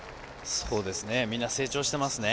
みんな成長してますね。